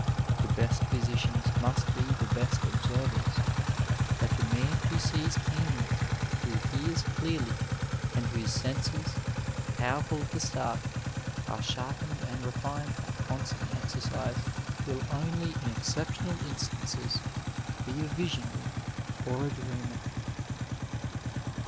The best physicians must be the best observers, but the man who sees keenly, who hears clearly, and whose senses, powerful at the start, are sharpened and refined by constant exercise, will only in exceptional instances be a visionary or a dreamer.